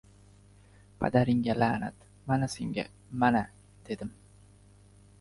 — Padaringga la’nat, mana senga, mana! — dedim.